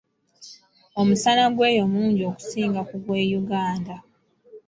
Omusana gw’eyo mungi okusinga ku gw’e Uganda.